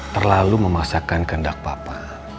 terlalu memasakkan kendak papa